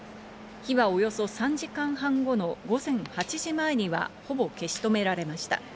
火はおよそ３時間半後の午前８時前にはほぼ消し止められました。